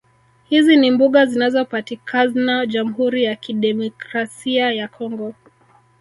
Hizi ni mbuga zinazopatikazna Jamhuri ya Kidemikrasia ya Congo